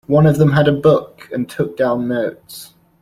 One of them had a book, and took down notes.